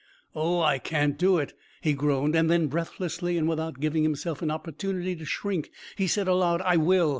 Oh, I can't do it," he groaned, and then breathlessly and without giving himself an opportunity to shrink, he said aloud, "I will."